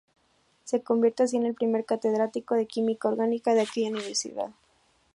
Se convierte así en el primer catedrático de Química Orgánica de aquella universidad.